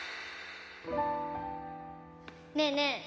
ねえねえ。